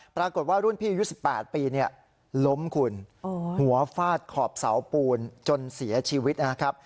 ปรากฏว่ารุ่นพี่อายุ๑๘ปีล้มคุณหัวฟาดขอบเสาปูนจนเสียชีวิตนะครับ